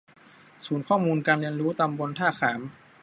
ศูนย์ข้อมูลการเรียนรู้ตำบลท่าข้าม